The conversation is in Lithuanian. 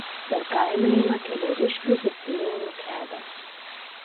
Per kaimą eina Keleriškių–Lipliūnų kelias.